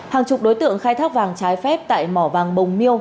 hàng chục đối tượng khai thác vàng trái phép tại mỏ vàng bồng miêu